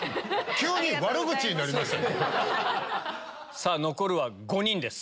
さぁ残るは５人です。